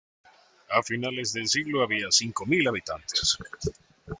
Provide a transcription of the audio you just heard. A finales de siglo había cinco mil habitantes.